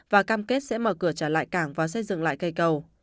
và cam kết sẽ mở cửa trở lại cảng và xây dựng lại cây cầu